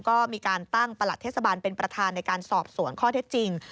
ก็มีการตั้งประหลัดเทศบาลเป็นประธานในการสอบสวนข้อเท็จจริง